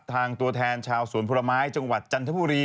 ตัวแทนชาวสวนผลไม้จังหวัดจันทบุรี